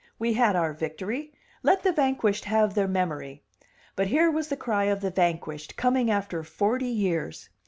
We had our victory; let the vanquished have their memory. But here was the cry of the vanquished, coming after forty years.